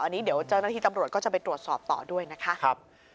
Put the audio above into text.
อันนี้เดี๋ยวเจ้าหน้าที่ตำรวจก็จะไปตรวจสอบต่อด้วยนะคะ